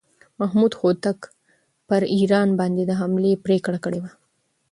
محمود هوتک پر ایران باندې د حملې پرېکړه کړې وه.